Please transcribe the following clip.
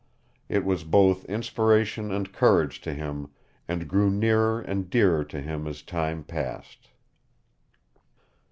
It was both inspiration and courage to him and grew nearer and dearer to him as time passed.